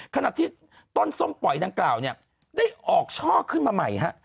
ขณะที่ต้นส้มปล่อยดังกล่าวเนี่ยได้ออกช่อขึ้นมาใหม่ฮะ